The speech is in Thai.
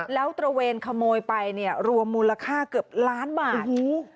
แล้วตระเวนขโมยไปเนี่ยรวมมูลค่าเกือบล้านบาท